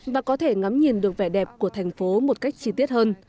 và có thể ngắm nhìn được vẻ đẹp của thành phố một cách chi tiết hơn